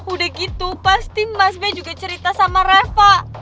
udah gitu pasti mas be juga cerita sama reva